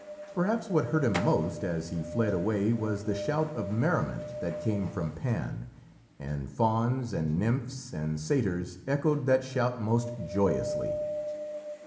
Perhaps what hurt him most, as he fled away, was the shout of merriment that came from Pan. And fauns and nymphs and satyrs echoed that shout most joyously.